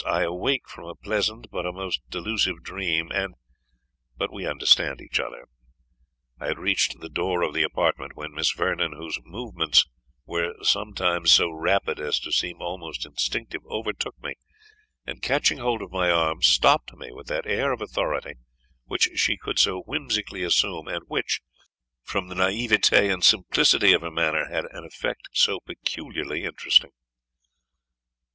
I awake from a pleasant, but a most delusive dream; and but we understand each other." I had reached the door of the apartment, when Miss Vernon, whose movements were sometimes so rapid as to seem almost instinctive, overtook me, and, catching hold of my arm, stopped me with that air of authority which she could so whimsically assume, and which, from the naivete and simplicity of her manner, had an effect so peculiarly interesting.